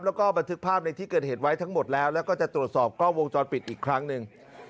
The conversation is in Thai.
แล้วก็บันทึกภาพในที่เกิดเหตุไว้ทั้งหมดแล้วแล้วก็จะตรวจสอบกล้องวงจรปิดอีกครั้งหนึ่ง